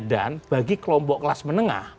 dan bagi kelompok kelas menengah